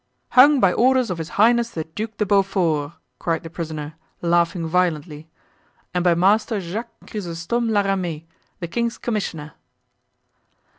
"Hung by order of his Highness the Duc de Beaufort!" cried the prisoner, laughing violently, "and by Master Jacques Chrysostom La Ramee, the king's commissioner."